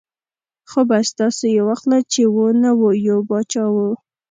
ـ خو بس داسې یې واخله چې و نه و ، یو باچا و.